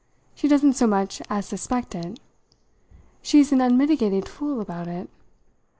She doesn't so much as suspect it. She's an unmitigated fool about it.